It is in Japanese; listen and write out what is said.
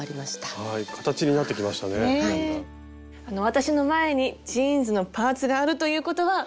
私の前にジーンズのパーツがあるということは。